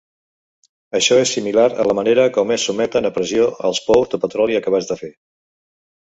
Això és similar a la manera com es sotmeten a pressió als pous de petroli acabats de fer.